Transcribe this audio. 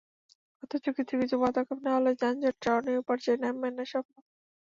অথচ কিছু কিছু পদক্ষেপ নেওয়া হলে যানজট সহনীয় পর্যায়ে নামিয়ে আনা সম্ভব।